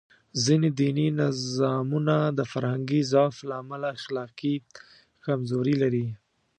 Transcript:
ځینې دیني نظامونه د فرهنګي ضعف له امله اخلاقي کمزوري لري.